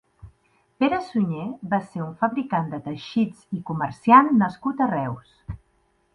Pere Sunyer va ser un fabricant de teixits i comerciant nascut a Reus.